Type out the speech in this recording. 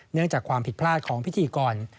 เนื่องจากความผิดพลาดของพิธีกร